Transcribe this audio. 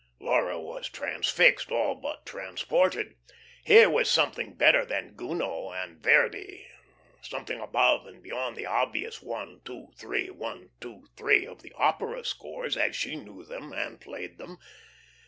Laura was transfixed, all but transported. Here was something better than Gounod and Verdi, something above and beyond the obvious one, two, three, one, two, three of the opera scores as she knew them and played them.